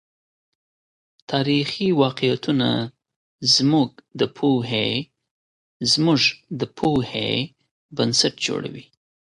تاريخي واقعيتونه زموږ د پوهې بنسټ جوړوي.